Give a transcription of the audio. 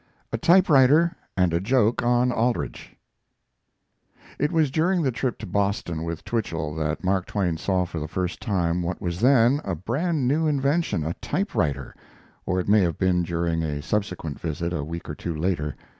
XCIX. A TYPEWRITER, AND A JOKE ON ALDRICH It was during the trip to Boston with Twichell that Mark Twain saw for the first time what was then a brand new invention, a typewriter; or it may have been during a subsequent visit, a week or two later.